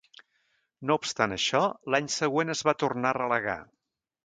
No obstant això, l'any següent, es va tornar a relegar.